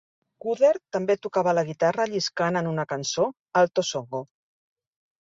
Cooder també tocava la guitarra lliscant en una cançó, "Alto Songo".